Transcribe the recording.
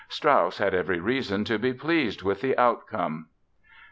Strauss had every reason to be pleased with the outcome.